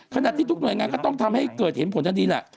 ขณะที่ทุกหน่วยงานก็ต้องทำให้เกิดเห็นผลทันทีแหละ